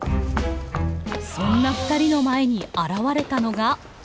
そんなふたりの前に現れたのが。